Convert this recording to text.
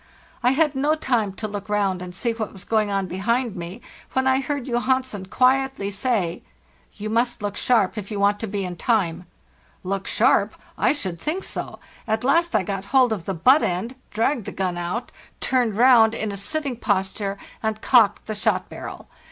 I had no time to look round and see what "VOU MUST LOOK SHARP!" was going on behind me, when I heard Johansen quietly say, 'You must look sharp if you want to be in time!' "Look sharp? I should think so! At last I got hold of the butt end, dragged the gun out, turned round ina LAND OAL LASL 3 Ww — sitting posture, and cocked the shot barrel.